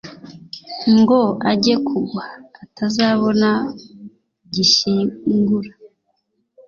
ngo ajye kugwa atazabona gishyingura.